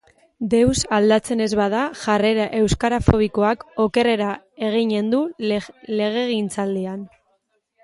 Deus aldatzen ez bada, jarrera euskarafobikoak okerrera eginen du legegintzaldian.